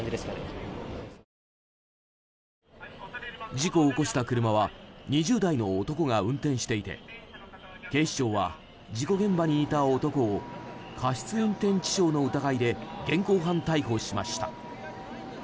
事故を起こした車は２０代の男が運転していて警視庁は、事故現場にいた男を過失運転致傷の疑いで現行犯逮捕しました。